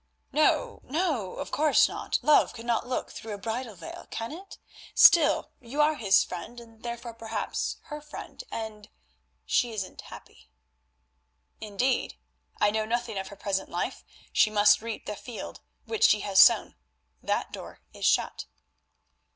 "No, no, of course not; love cannot look through a bridal veil, can it? Still, you are his friend, and, therefore, perhaps, her friend, and—she isn't happy." "Indeed? I know nothing of her present life: she must reap the field which she has sown. That door is shut."